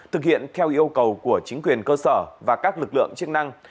thực hiện theo yêu cầu của chính quyền cơ sở và các lực lượng chức năng